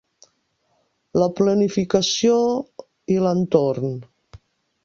La planificació i l'entorn